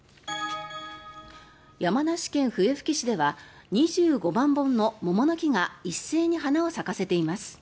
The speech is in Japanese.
山梨県笛吹市では２５万本の桃の木が一斉に花を咲かせています。